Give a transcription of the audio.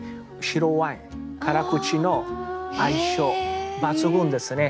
白ワイン辛口の相性抜群ですね。